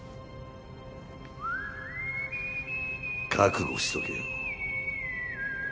覚悟しとけよ。